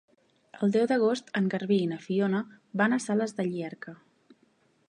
El deu d'agost en Garbí i na Fiona van a Sales de Llierca.